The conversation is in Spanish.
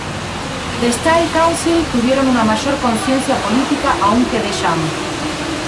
The Style Council tuvieron una mayor conciencia política aún que The Jam.